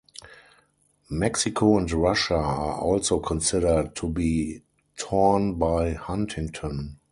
Mexico and Russia are also considered to be torn by Huntington.